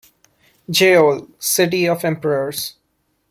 "Jehol: City of Emperors".